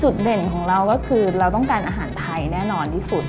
เด่นของเราก็คือเราต้องการอาหารไทยแน่นอนที่สุด